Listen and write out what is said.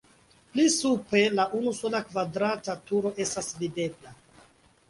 Pli supre la unusola kvadrata turo estas videbla.